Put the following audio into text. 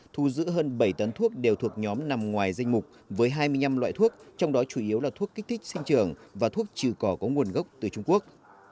thu giữ hơn bảy tấn thuốc đều thuộc nhóm nằm ngoài danh mục với hai mươi năm loại thuốc trong đó chủ yếu là thuốc kích thích sinh trường và thuốc trừ cỏ có nguồn gốc từ trung quốc